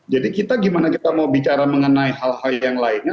jadi kita gimana kita mau bicara mengenai hal hal yang lainnya